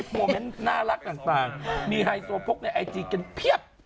โมเมนต์น่ารักต่างมีไฮโซโพกในไอจีกันเพียบ